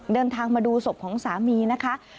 เดินทางมาดูศพของสามีนะคะ